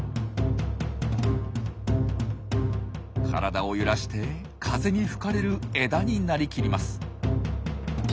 体を揺らして風に吹かれる枝になりきります。